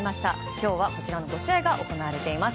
今日はこちらの５試合が行われています。